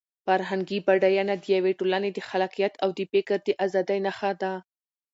فرهنګي بډاینه د یوې ټولنې د خلاقیت او د فکر د ازادۍ نښه ده.